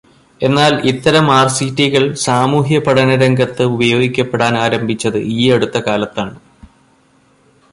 എന്നാൽ, ഇത്തരം ആർസിറ്റികൾ സാമൂഹ്യപഠനരംഗത്ത് ഉപയോഗിക്കപ്പെടാൻ ആരംഭിച്ചത് ഈയടുത്ത കാലത്താണ്.